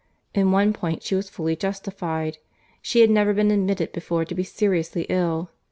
In one point she was fully justified. She had never been admitted before to be seriously ill.